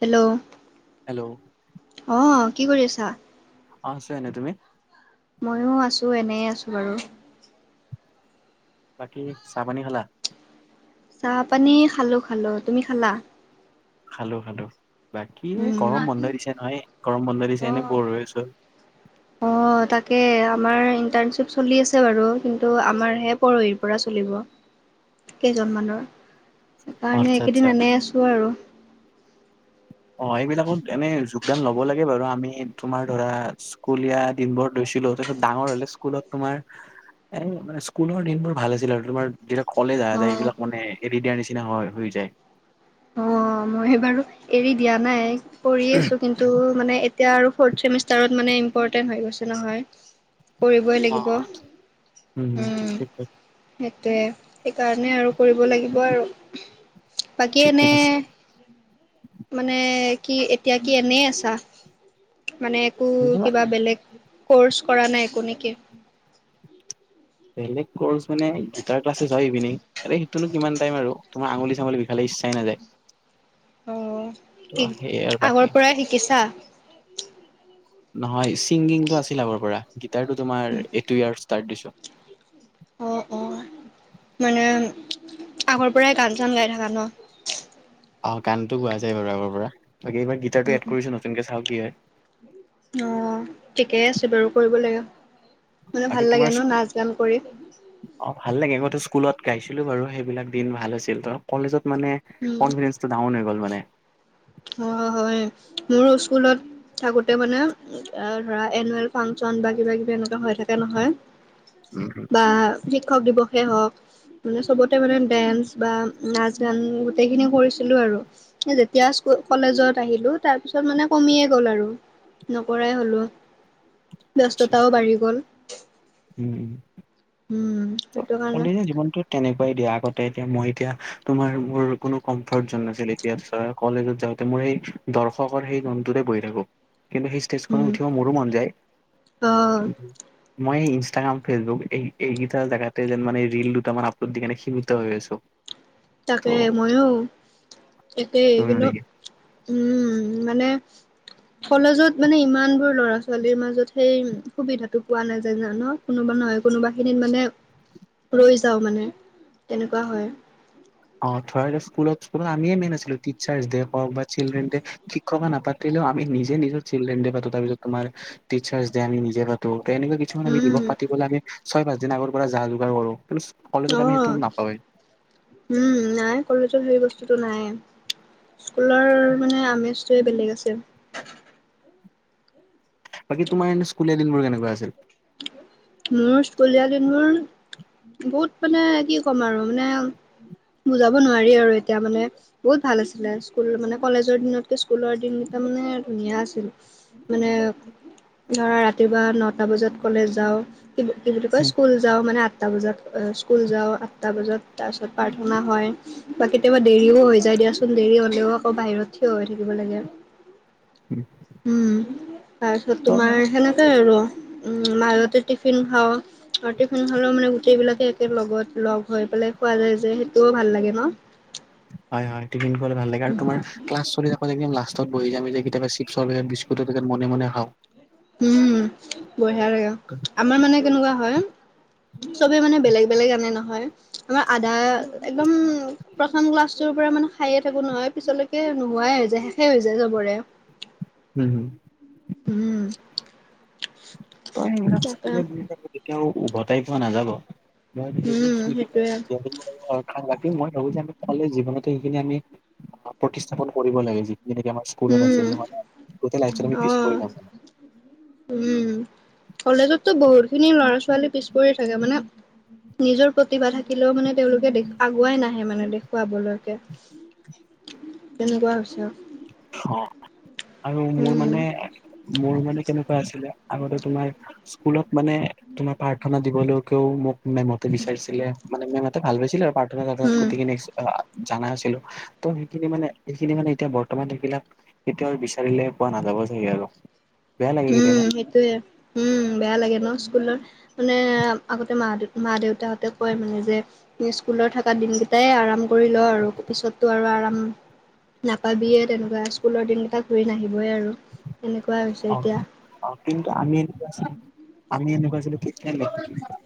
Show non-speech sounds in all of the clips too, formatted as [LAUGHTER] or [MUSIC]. Hello! Hello! অঁ, কি কৰি আছা? আছো এনেই, তুমি? ময়ো আছোঁ, এনেই আছোঁ বাৰু। বাকী, চাহ-পানী খালা? চাহ-পানী খালো, খালো। তুমি খালা? খালো, খালো। বাকী এই গৰম বন্ধ দিছে নহয়, গৰম বন্ধ দিছে এনেই বৰ হৈ আছোঁ। অঁ। অঁ, তাকে আমাৰ ইণ্টাৰ্ণশ্বিপ চলি আছে বাৰু কিন্তু আমাৰহে পৰহিৰ পৰা চলিব। কেইজন মানৰ। সেইকাৰণে আচ্ছা আচ্ছা এইকেইদিন এনেই আছো আৰু। অ' এইবিলাকত এনেই যোগদান ল'ব লাগে বাৰু। আমি তোমাৰ ধৰা স্কুলীয়া দিনবোৰ লৈছিলোঁ। তাকে ডাঙৰ হ'লে স্কুলত তোমাৰ এ মানে, স্কুলৰ দিনবোৰ ভাল আছিল আৰু তোমাৰ যিবিলাক কলে যা যায় অঁ। এইবিলাক মানে এৰি দিয়াৰ নিচিনা হয় হৈ যায়। অ', মই বাৰু এৰি দিয়া নাই কৰি আছো কিন। টো মানে এতিয়া আৰু ফৰত চেমিষ্টাৰত মানে ইম্পৰ্টেন্ট হৈ গৈছে নহয়। কৰিবই অ লাগিব অ উম,। ঠিক কৈছা, সেইটোৱে সেইকাৰণে আৰু কৰিব লাগিব আৰু। ঠিকে কেনে। আছে মানে কি এতিয়া কি এনেই আছা মানে একো এনেবা কিবা বেলেগ। ক'ৰ্চ কৰা নাই একো নেকি। বেলেগ ক'ৰ্চ মানে গীতাৰ ক্লাছ। টো ছাই ভিনি এই সেইটোনো কিমান টাইম তোমাৰ আঙুলি চাঙুলি বিখালে ইচ্ছাই নাযায়। অ, ত' কি সেইয়ে আৰু আগৰ বাকী পৰাই শিকিছা। নহয় ছিংগিংটো আছিল আগৰ পৰা গিটাৰটো তোমাৰ এই ইয়াৰ ষ্টাৰ্ট দিছো। অ, অ, মানে আগৰ পৰাই গান চান গাই থাকা ন'। অঁ', গানটো গোৱা যায় বাৰু আগৰ পৰা বাকী এইবাৰ গীটাৰটো উম, এড উম। কৰিছোঁ নতুনকে চাওঁ কি হয়। অ', ঠিকেই আছে বাৰু কৰিব লাগে। মানে ভাল বাকী লাগে তোমাৰ ন' নাচ গান কৰি। অ', ভাল লাগে আগতো স্কুলত গাইছিলো বাৰু সেইবিলাক দিন ভাল হৈছিল ত' কলেজত মানে। উম, কনফিডেন্স টো ডাউন হৈ গ'ল মানে। অ', হয় মোৰ স্কুলত থাকোতে মানে। এ ধৰা এনুৱেল ফাংচন বা কিবা কিবা এনেকুৱা হৈ থাকে নহয়। উম, [INAUDIBLE] বা শিক্ষক দিৱসেই হক। মানে চবতে মানে দেইঞ্চ বা নাচ গান গোটেইখিনি কৰিছিলো আৰু। এ যেতিয়াছ। কলেজত আহিলো তাৰ পিছত মানে কমিয়ে গ'ল আৰু নকৰাই হ'লো। ব্যস্ততাও বাঢ়ি গ'ল। উম, উম উম সেইটো কাৰণে। কলেজীয়া জীৱনটো। তেনেকুৱাই দিয়া আগতে এতিয়া মই এতিয়া তোমাৰ মোৰ কোনো কমফৰ্ট জন নাছিল এতিয়া চোৱা। কলেজত যাওঁতে মোৰ সেই দৰ্শকৰ সেই জন্তটোৰে বহি থাকো কিন্তু সি। [INAUDIBLE] উম উঠিব মোৰো মন যায় আহ কি মই ই। ষ্টাগ্ৰাম ফেচবুক এইকেইটা জেগাতে যেন মানে ৰল দুটা মান আপলোড দি কেনে সীমিত হৈ আছো। ত' তাকে ময়ো একেই তুমি মানে কিন্তু। কি উম, মানে। কলেজত মানে ইমান বোৰ ল'ৰা ছোৱালীৰ মাজত সেই সুবিধাটো পোৱা নাযায় ন। কোনোবা নহয় কোনোবা খিনিত মানে ৰৈ যাও মানে তেনেকুৱা হয়। অ থৰা স্কুলত আমিয়ে মেইন আছিলো টিচাৰ্চ ডে হওক বা চিল্ড্ৰেন ডে। [INAUDIBLE] নাপাতিলেও আমি নিজে নিজৰ চিলড্ৰেন পাতো তাৰপিছত তোমাৰ। টিচাৰ্চডে আমি নিজে পাতো তে এনেকুৱা কি। ছুমান আমি দিৱস উম। পাতিবলৈ আমি ছয় পাঁচ দিন আগৰ পৰা যা যোগাৰ কৰো এজ কলেজত আমি অ', সেইটো নাপাওঁৱে। উম নাই কলেজত সেই বস্তুটো নাই। স্কুলৰ মানে আমেজটোৱে বেলেগ আছে। বাকী তোমাৰ এনে স্কুলীয়া দিনবোৰ কেনেকুৱা আছিল। মোৰ স্কুলীয়া দিনবোৰ। বহুত মানে কি কম আৰু মানে বুজাব নোৱাৰি আৰু এতিয়া মানে। বহুত ভাল আছিলে স্কুল মানে কলেজৰ দিনতকে স্কুলৰ দিনকেইটা মানে ধুনীয়া আছিল। মানে ধৰা ৰাতিপুৱা নটা বজাত- কলেজ যাওঁ কি কি বুলি কয় স্কুল যাওঁ মানে- আঠটা বজাত স্কুল যাওঁ, আঠটা বজাত তাৰ পিছত প্ৰাৰ্থনা হয়। বা কেতিয়াবা দেৰিও হৈ যায় দিয়াচোন, দেৰি হলেওঁ আকৌ বাহিৰত থিয় হৈ থাকিব লাগে। উম। উম তাৰপিছত তোমাৰ সেনেকৈ আৰু উম মাজতেই টিফিন খাওঁ। আৰুতো টিফিন খালেই মানে গোটেই বিলাকে একে লগত লগ হৈ পেলাই খোৱা যায় যে সেইটোও ভাল লাগে ন। হয় হয় টিফিন খোৱাটো ভাল লাগে আৰু তোমাৰ ক্লাচ চলি থাকোতে- এদিন লাষ্টত বহিলে আমি যে কেতিয়াবা চিপছৰ, পেকেট বিস্কুটৰ পেকেট মনে মনে খাওঁ। উম বঢ়িয়া লাগে। [INAUDIBLE] আমাৰ মানে কেনেকুৱা হয়, চবেই মানে বেলেগ বেলেগ আনে নহয়। আমাৰ আদাৰ- একদম- প্ৰথম ক্লাছটোৰ পৰা মানে খায়েই থাকো নহয় পিছলৈকে নোহোৱাই হৈ যায়, শেষেই হৈ যায় চবৰে। উম। উম। তই তাকে তেতিয়াও উভতাই পোৱা নাযাব। মই সেইবোৰ উম, স্মৃতিবোৰ সেইটোৱে বহুত ভাল পাওঁ। বাকী মই ভাবো যে আমি সকলে জীৱনতো সেইখিনি আমি প্ৰতিষ্ঠাপন কৰিব লাগে, যিখিনি নেকি আমাৰ- মনত উম, আছে নহয়, আমি পিছ অ'। পৰি যাম। উম কলেজতো বহুত খিনি লৰা ছোৱালী পিছ পৰি থাকে। মানে- নিজৰ প্ৰতিভা থাকিলেও মানে তেওঁলোকে দেখুৱাবই নাহে মানে দেখুৱাবলৈকে। কেনেকুৱা হৈছে? অঁ আৰু মোৰ উম, মানে মোৰ মানে- কেনেকুৱা আছিলে আগতে তোমাৰ স্কুলত মানে তোমাৰ প্ৰাৰ্থনা দিবলৈকেও মোক- মেমহঁতে বিচাৰছিলে মানে মেমহঁতে ভাল পাইছিলে আৰু পাৰ্থনা লগাওতে উম, গোটেই খিনি আছিলে। অঁ জানা নাছিলো, তো সেইখিনি মানে সেইখিনি মানে এতিয়া - বর্তমান সেইবিলাক কেতিয়াও বিচাৰিলে পোৱা নাযাব চাগে আৰু। বেয়া লাগে কেতিয়াবা উম সেইটোয়ে, উম বেয়া লাগে ন স্কুলৰ- মানে আগতে মা দে, মা দেউতাহঁতে কয় মানে যে- স্কুলত থকা দিনকেইটাই আৰাম কৰি ল আৰু পিছত তো আৰু আৰাম- নাপাবিয়ে তেনেকুৱা স্কুলৰ দিনকেইটা ঘূৰি নাহিবই আৰু এনেকুৱা- হৈছে অঁ এতিয়া অঁ কিন্তু আমি এনেকুৱা আছিলো, এনেকুৱা আছিলো কেতিয়াও নিপিন্ধো-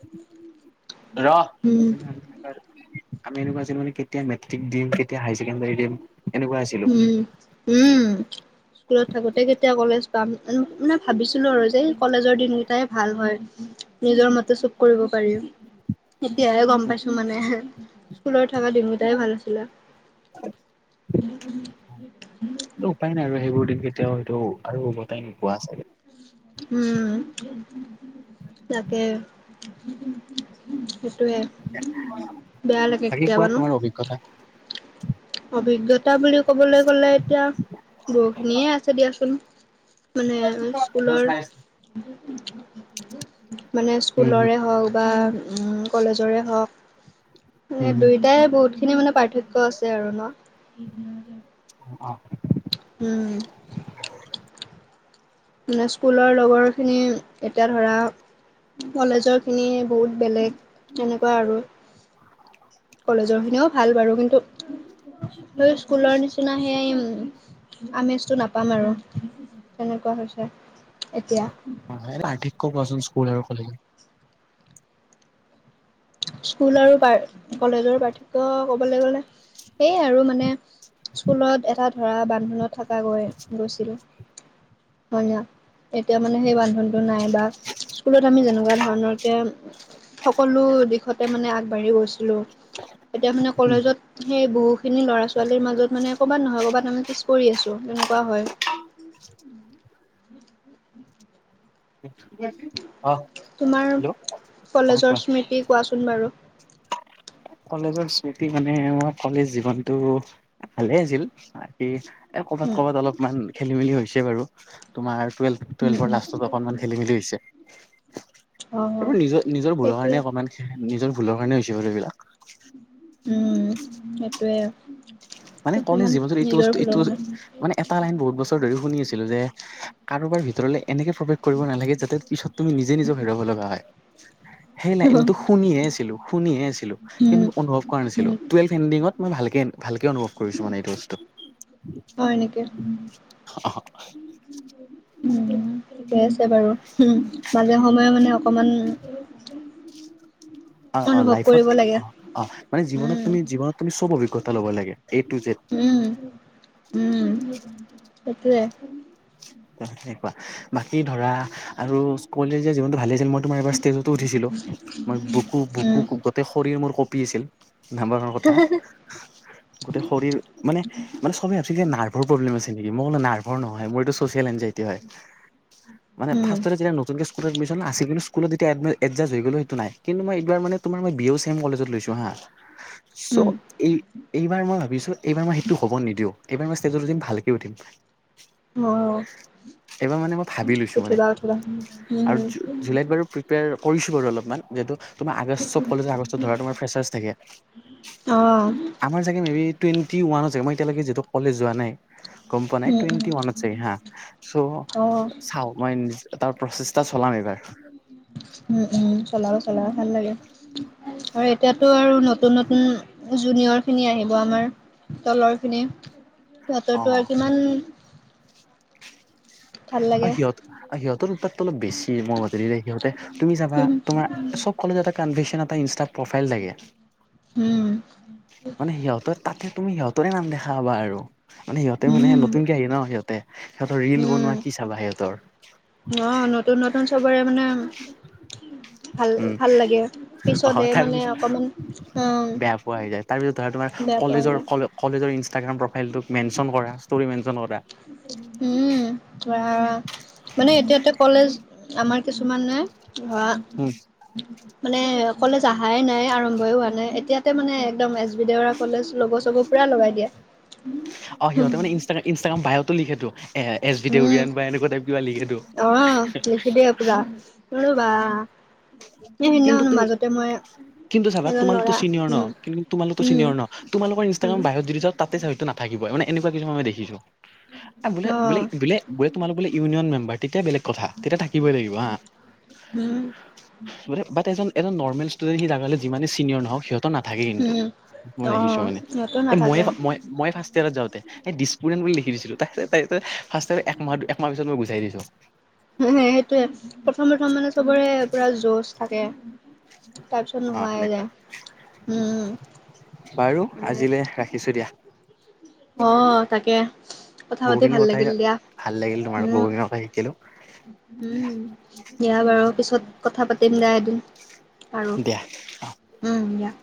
ৰহ, উম। আমি এনেকুৱা আছিলো মানে কেতিয়া মেট্ৰিক দিম, কেতিয়া- কেতিয়া হাই ছেকেণ্ডাৰী দিম এনেকুৱা আছিলোঁ। উম, উম। স্কুলত থাকোতে কেতিয়া কলেজ পাম মানে ভাবিছিলো আৰু যে কলেজৰ দিনকেইটাই ভাল হয়। নিজৰ মতে চব কৰিব পাৰি। এতিয়াহে গম পাইছো মানে স্কুলত থকা দিনকেটাই ভাল আছিলে। [UNINTELLIGIBLE] উম। উপায় নাই আৰু সেইবোৰ দিন কেতিয়াও হয়টো আৰু ওভতাই নোপোৱা চাগে। উম তাকে। সেইটোয়ে, বেয়া লাগে কেতিয়াবা ন। কথা। অভিজ্ঞতা বুলি ক'বলৈ গলে এতিয়া বহুখিনিয়ে আছে দিয়াচোন। মানে স্কুলৰ। মানে উম স্কুলৰে হওক বা উম কলেজৰে হওক। ম হম দুয়োটাই বহুত খিনি মানে পাৰ্থক্য আছে আৰু ন। অৱ অৱ। উম। মানে স্কুলৰ লগৰখিনি এতিয়া ধৰা কলেজৰ খিনি বহুত বেলেগ তেনেকুৱা আৰু। কলেজৰ খিনিও ভাল বাৰু কিন্তু স্কুলৰ নিচিনা সেই আমেজটো নাপাম আৰু তেনেকুৱা হৈছে এতিয়া। হে পাৰ্থক্য কোৱাচোন স্কুল আৰু কলেজৰ? স্কুল আৰু প কলেজৰ পাৰ্থক্য ক'বলৈ গ'লে সেই আৰু মানে স্কুলত এটা ধৰা বান্ধোনত থকা গৈ গৈছিলোঁ। হয় ন এতিয়া মানে সেই বান্ধোনটো নাই বা স্কুলত আমি যেনেকুৱা ধৰণৰ কে সকলো দিশতে মানে আগবাঢ়ি গৈছিলো। এতিয়া মানে কলেজত সেই বহুখিনি ল'ৰা ছোৱালীৰ মাজত মানে ক'ৰবাত নহয় ক'ৰবাত আমি পিছ পৰি কৰি আছোঁ, তেনেকুৱা হয়। [UNINTELLIGIBLE] অ তোমাৰ হেল্ল' অ কলেজৰ কোৱা স্মৃতি কোৱাচোন বাৰু? কলেজৰ স্মৃতি মানে মই কলেজ জীৱনতটো ভালে আছিল। এ কৰ'বাত উম ক'ৰবাত অলপমান খেলি মেলি হৈছে বাৰু তোমাৰ টুৱেলভ উম টুৱেল্ভৰ উম লাষ্টত অকণমান খেলি মেলি হৈছে। অ অ এইবোৰ নিজৰ নিজৰ ভুলৰ সেইটোৱে কাৰণে অকমান নিজৰ ভুলৰ কাৰণে হৈছে বাৰ এইবিলাক। উম সেইটোৱে। মানে কলেজ কিছুমান জীৱনটো নিজৰ এইবস্ত ভুলৰ ইটো কাৰণে মানে এটা লাইন বহুত বছৰ ধৰি শুনি আছিলো যে কাৰোবাৰ ভিতৰলে এনেকে প্ৰৱেশ কৰিব নালাগে যাতে পিছত তুমি নিজে নিজৰ হেৰোবাৱ লগা হয়। হেই নাইনটো শুনিয়ে আছিলো শুনিয়ে আছিলো উম কিন্তু অনুভৱ কৰা উম নাছিলোঁ। টুৱেভ এনডিংত মই ভালকে ভালকে অনুভৱ কৰিছো মানে এইটো বস্তু। হয় নেকি উম, ঠিকে আছে বাৰু উম মাজে সময়ে মানে অকমান অ অ অনুভৱ লাইফত কৰিব অ লাগে। অ মানে জীৱনত উম, তুমি জীনত তুমি সব অভিজ্ঞতা ল'ব লাগে এ টু জেট। উম, উম, সটোৱে। সনেকুৱা বাকী ধৰা আৰু কলেজীয়া জীৱনতটো ভালে আছিল মই তোমাৰ এবাৰ ষ্টেজতো উঠিছিলো। মই বুকু বুকু উম, গোটেই শৰীৰৰ মোৰ কঁপি আছিল। [UNINTELLIGIBLE] কথা গোটেই শৰীৰ মানে মানে চবেই ভাবছিল নাৰ্ভৰ প্ৰব্লেম আছে নেকি? মই বলো নাৰ্ভৰ নহয়। মোৰ এইটো চচিয়েল এনজাইটি হয়। মানে উম, ফাচততে যেতিয়া নতুনকে স্কুলত এডমিচন আছিল, স্কুলত এ এডজা হৈ গ'ল সেইটো নাই। কিন্ত মই এইবাৰ মে তোমাৰই বি এ ছেম কলেজত লৈছো হা। [UNINTELLIGIBLE] চ' এই এইবাৰ মই ভাবিছো এইবাৰ মই সেইটো হ'ব নিদিও। এইবাৰ মই ষ্টেজতটো দিম ভালকে উঠিম। অ', এইবাৰ মানে মই ভাবি লৈছো মানে উঠিবা উঠিবা আৰু উম, জু জুলাইত বাৰু প্ৰিপেয়াৰ কৰিছোঁ বাৰু অলপমান যিহেতু, তোমাৰ আগষ্ট চব কলেজ আগষ্টত ধৰা তোমাৰ ফ্ৰেচাৰছ থাকে। অ', আমাৰ চাগে মেবি টুৱেটি ওৱানত চাগে মই এতিয়ালৈকে যিহেতু কলেজ যোৱা নাই গম পোৱা নাই উম, উম, টুৱেনটি ৱানত। চাগে হাঁ চ' অ', চাও মই তাৰ প্ৰচেষ্টা চলাম এইবাৰ। উম উম' চলাবা চলাবা ভাল লাগে। হয় এতিয়াতো আৰু নতুন নতুন জুনিয়ৰ খিনি আহিব আমাৰ। তলৰ খিনি অ সিঁহৰটো আৰু কিমান- ভাল অ লাগে সিহঁত সিহঁতৰ উপাতটো অলপ বেছি মোৰ মতে। সিহঁতে তুমি যাবা উম, তোমাৰ সব কলেজাতে কনভেচন এটা ইন্সটাট প্ৰফাইল থাকে। উম' মানে সিহঁতৰ তাতে তুমি সিহঁতৰে নাম দেখা হবা আৰু। মানে সিহঁতে মানে উম, নতুনকে আহে ন সিহঁতে সিহঁতৰ ৰিল উম, বনোৱা- কি চাবা সিহঁতৰ। তুন নতুন চবৰে মানে- ভাল উম ভাল লাগে অ পিছতহে তাৰ মানে পিছত অকমান অঁ। বেয়া পোৱা হৈ যায় তাৰপিছত ধৰা তোমাৰ কলেজৰ কলে কলেজৰ ইনষ্টাগ্ৰাম প্ৰফাইলটোক মেনশন কৰা ষ্ট'ৰি মেনশন কৰা। উম' ধৰা মানে এতিয়াতে কলেজ আমাৰ কিছুমানে ধৰা, - উম' মানে কলেজ আহাই নাই আৰম্ভই হোৱা নাই এতিয়াতে মানে একদম এছ বি দেৰত- কলেজ লগ চগ পুৰা লগাই দিয়া। অ সিহঁতে মানে ইনষ্টা ইনষ্টাগ্ৰাম বায়তো লিখেটো। এ এছ উম, ভিডিঅ'ৰিয়ান বা এনেকুৱা টাইপ কিবা লিখেটো। অ', লিখি দিয়ে পুৰা লবা সে কিন্তু সিদিনাখন তুমি মাজতে মই- কিন্তু চাবা এজন তোমালোকো ল'ৰা চিনিয়ৰ ন উম কিন্তু তোমালোকতো উম, চিনিয়ৰ ন, তোমোলোকৰ উম, ইনষ্টাগ্ৰাম বায়ত যদি যাও- তাতে চাওক এইটো নাথাকিবই মানে এনেকুৱা কিছু মই দেখিছো। আ বোলে বোলে অ', বোলে- বোলে তোমোলোক বোলে ইউন মেম্বাৰ, তেতিয়া বেলেগ কথা তেতিয়া থাকিবই লাগিব হাঁ। উম' বাত এজন এজন নৰ্মেল ষ্টুদেন্ট সি লাগিলে হ'লে যিমানে চিনিয়ৰ নহওক সিঁহত- ত নাথাকে কিন্তু উম, মই দেখিছো অ', মানে সিহঁতো এ মই নাথাকে। মই- মই ফাৰ্ষ্ট ইয়াৰত যাওঁতে দিছপুৰেন্ট বুলি লেখি দিছিলো তাপিছত, - তাইটো ফাৰ্ষ্ট ইয়াৰত একমাহ একমাহ পিছত মই বুজাই দিছো। সেইটোয়ে প্ৰথম প্ৰথম মানে চবৰে পুৰা যচ থাকে। তাপিছত অ নোহোৱা হৈ সেনেকুৱা যায়। বাৰু উম' উম' আজিলে ৰাখিছো দিয়া অঁ তাকে, কথা পাতি বহুখিনি ভাল কথাই লাগিল দিয়া, ভাল লাগিল তোমাৰ উম, বহুখিনি কথা শিকিলো। উম' দিয়া বাৰু পিছত কথা পাতিম দিয়া এদিন। আৰু দিয়া। উম' দিয়া।